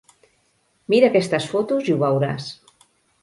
Mira aquestes fotos i ho veuràs.